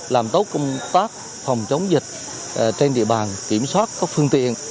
làm tốt công tác phòng chống dịch trên địa bàn kiểm soát các phương tiện